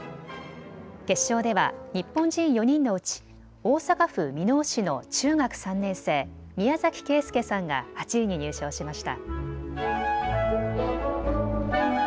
決勝では日本人４人のうち大阪府箕面市の中学３年生、宮崎圭介さんが８位に入賞しました。